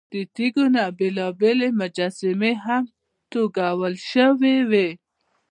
له تیږو نه بېلابېلې مجسمې هم توږل شوې وې.